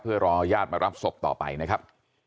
เพื่อรอญาติมารับศพต่อไปนะครับ